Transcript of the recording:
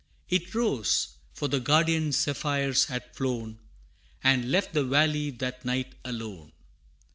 It rose for the guardian zephyrs had flown, And left the valley that night alone.